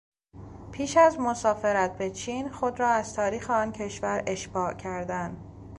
پیش از مسافرت به چین خود را از تاریخ آن کشور اشباع کردن